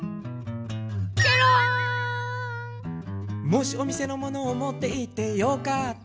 「もしお店のものをもっていってよかったら？」